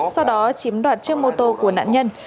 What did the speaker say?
sau đó chiếm đoạt chiếc mô tô của nạn nhân